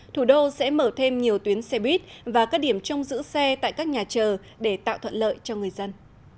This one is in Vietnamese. thủ đô sẽ mở thêm nhiều tuyến xe buýt và các điểm trong giữ xe tại các nhà chờ để tạo thuận lợi cho người dân